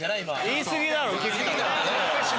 言い過ぎだろ菊田。